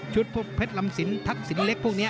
พวกเพชรลำสินทักษิณเล็กพวกนี้